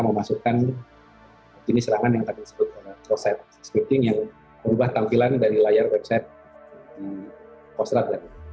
dan memasukkan begini serangan yang tadi disebut oleh proses scripting yang merubah tampilan dari layar website kostrat